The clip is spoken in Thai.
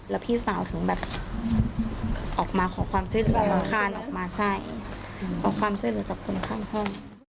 แล้วพี่สาวถึงแบบออกมาขอความช่วยหล่อจับคนข้างห้อง